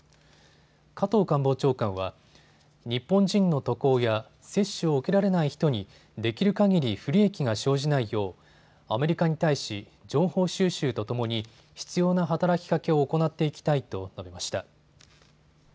加藤官房長官は日本人の渡航や接種を受けられない人にできるかぎり不利益が生じないようアメリカに対し、情報収集とともに必要な働きかけを行っていきたいと述べました。